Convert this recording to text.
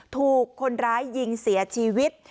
ถูกคนร้ายยิงเสียชีวิต